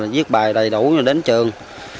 viết bài đầy đủ rồi đến trường